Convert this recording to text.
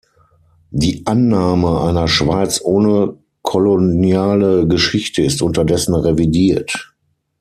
Die Annahme einer Schweiz ohne koloniale Geschichte ist unterdessen revidiert.